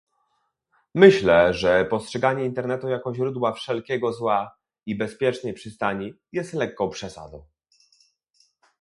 Myślę, że postrzeganie internetu jako źródła wszelkiego zła i bezpiecznej przystani jest lekką przesadą